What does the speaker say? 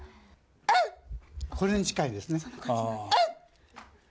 これに近いですね。